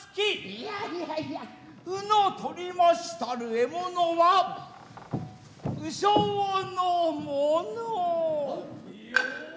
いやいやいや鵜の獲りましたる獲物は鵜匠のもの。